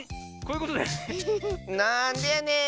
なんでやねん！